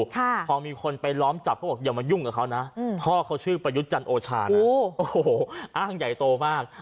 พอมีคนไปล้อมจับเขาบอกอย่ามายุ่งกับเขานะพ่อเขาชื่อประยุทธ์จันโอชานะโอ้โหอ้างใหญ่โตมาก